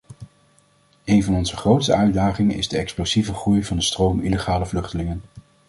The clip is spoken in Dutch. Een van onze grootste uitdagingen is de explosieve groei van de stroom illegale vluchtelingen.